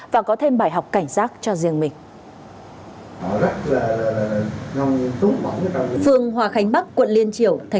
và có thêm bài học cảnh giác cho riêng mình